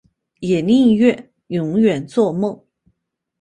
也宁愿永远作梦